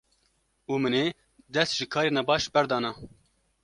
û min ê dest ji karên nebaş berdana.